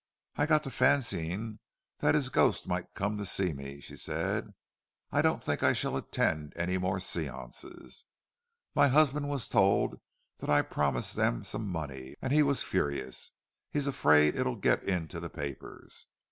"I got to fancying that his ghost might come to see me," she said. "I don't think I shall attend any more séances. My husband was told that I promised them some money, and he was furious—he's afraid it'll get into the papers."